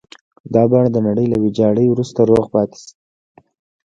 دا بڼ د نړۍ له ويجاړۍ وروسته روغ پاتې دی.